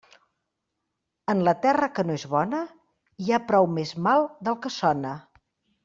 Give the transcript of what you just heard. En la terra que no és bona, hi ha prou més mal del que sona.